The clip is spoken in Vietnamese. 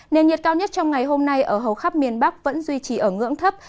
nền nhiệt cao nhất trong ngày hôm nay ở hầu khắp miền bắc vẫn duy trì ở ngưỡng thấp